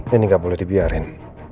ini gak boleh dibiarin